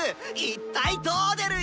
一体どう出る？